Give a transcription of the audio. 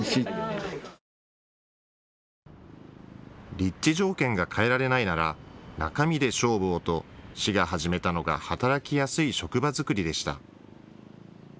立地条件が変えられないなら中身で勝負をと、市が始めたのが働きやすい職場作りでした。